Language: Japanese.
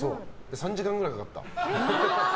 ３時間くらいかかった。